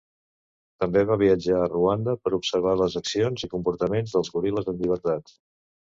També va viatjar a Ruanda, per observar les accions i comportaments dels goril·les en llibertat.